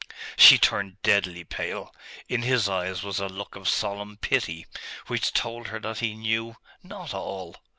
She turned deadly pale. In his eyes was a look of solemn pity, which told her that he knew not all?